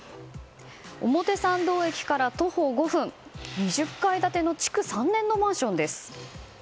表参道駅から徒歩５分２０階建ての築３年のマンションです。